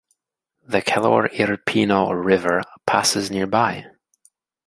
The Calore Irpino River passes nearby.